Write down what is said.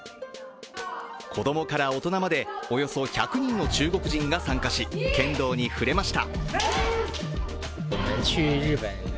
子どもから大人まで、およそ１００人の中国人が参加し剣道に触れました。